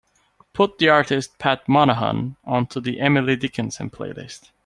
Put the artist Pat Monahan onto the emily dickinson playlist.